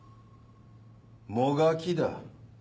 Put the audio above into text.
もがきだ。